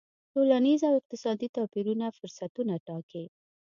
ټولنیز او اقتصادي توپیرونه فرصتونه ټاکي.